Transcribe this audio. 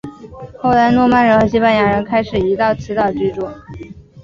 后来诺曼人和西班牙人开始移到此岛居住。